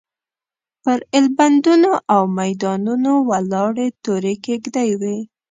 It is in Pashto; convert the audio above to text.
پر ایلبندونو او میدانونو ولاړې تورې کېږدۍ وې.